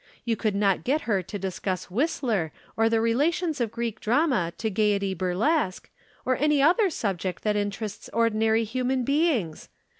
You could not get her to discuss Whistler or the relations of Greek drama to Gaiety Burlesque, or any other subject that interests ordinary human beings.